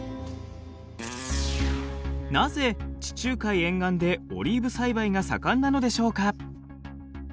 なぜ地中海沿岸でオリーブ栽培が盛んなのでしょうか？